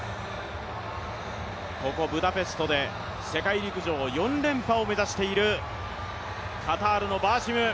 ここブダペストで世界陸上４連覇を目指しているカタールのバーシム。